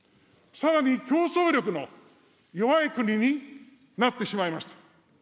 さらに競争力の弱い国になってしまいました。